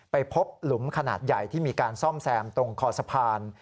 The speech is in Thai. ไปพบหลุมขนาดใหญ่ที่มีการซ่อมแซมตรงคอสะพาน